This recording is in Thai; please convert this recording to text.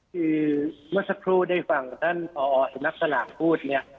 คือเมื่อสักครู่ได้ฟังท่านพอสำนักสลากพูดเนี่ย